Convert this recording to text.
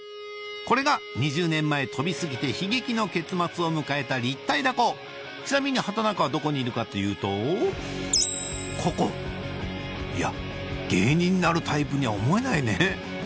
これが２０年前飛び過ぎて悲劇の結末を迎えた立体凧ちなみに畠中はどこにいるかっていうとここいや芸人になるタイプには思えないね